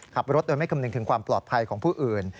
ขับรถโดยไม่คำนึงถึงความปลอดภัยของผู้อื่น